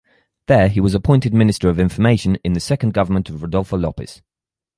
There he was appointed Minister of Information in the second government of Rodolfo Llopis.